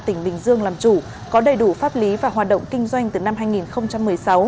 tỉnh bình dương làm chủ có đầy đủ pháp lý và hoạt động kinh doanh từ năm hai nghìn một mươi sáu